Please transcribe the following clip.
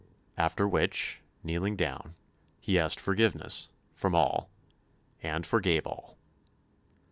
After which, kneeling down, he asked forgiveness from all, and forgave all.